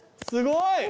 すごい！